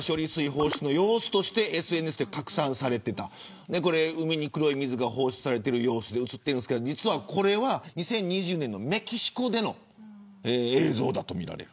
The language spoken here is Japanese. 放出の様子としてＳＮＳで拡散されていた海に黒い水が放出されている様子映ってますけど実は、これは２０２０年のメキシコでの映像だとみられる。